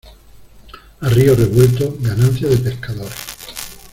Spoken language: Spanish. A río revuelto, ganancia de pescadores.